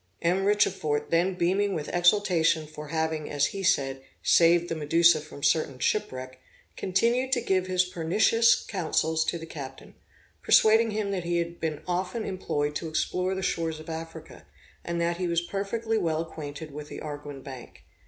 M. Richefort, then beaming with exultation for having, as he said, saved the Medusa from certain shipwreck, continued to give his pernicious counsels to the captain, persuading him he had been often employed to explore the shores of Africa, and that he was perfectly well acquainted with the Arguin Bank.